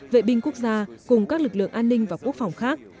vệ binh quốc gia cùng các lực lượng an ninh và quốc phòng khác